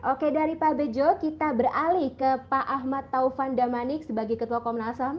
oke dari pak bejo kita beralih ke pak ahmad taufan damanik sebagai ketua komnas ham